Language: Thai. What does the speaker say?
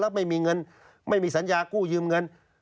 แล้วไม่มีเงินไม่มีสัญญากู้ยืมเงิน